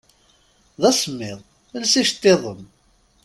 Dasemmiḍ, els icettiḍen!